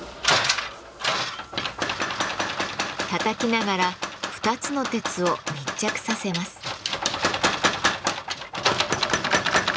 たたきながら２つの鉄を密着させます。